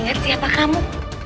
ingat siapa kamu